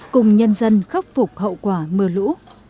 cùng nhân dân khắc phục hậu quả mưa lũ